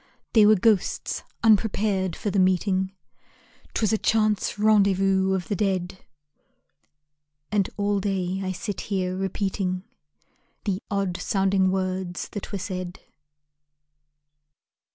They were ghosts, unprepared for the meeting; 'Twas a chance rendezvous of the dead; And all day I sit here repeating The odd sounding words that were said.